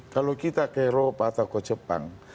kalau kita ke eropa atau ke jepang